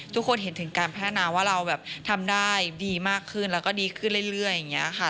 ทุกคนเห็นถึงการพัฒนาว่าเราแบบทำได้ดีมากขึ้นแล้วก็ดีขึ้นเรื่อยอย่างนี้ค่ะ